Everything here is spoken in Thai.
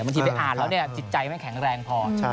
บางทีไปอ่านแล้วจิตใจไม่แข็งแรงพอ